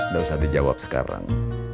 gak usah dijawab sekarang